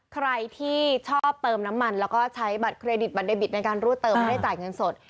ใครที่ชอบเติมน้ำมันแล้วก็ใช้บัตรเครดิตบัตเดบิตในการรูดเติมไม่ได้จ่ายเงินสด